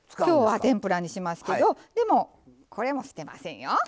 今日は天ぷらにしますけどでもこれも捨てませんよ。